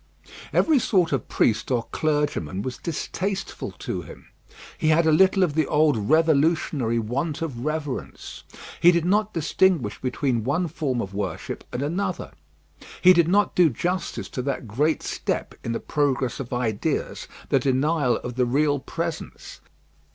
Every sort of priest or clergyman was distasteful to him. He had a little of the old revolutionary want of reverence. He did not distinguish between one form of worship and another. He did not do justice to that great step in the progress of ideas, the denial of the real presence.